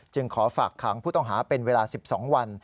ขอฝากขังผู้ต้องหาเป็นเวลา๑๒วัน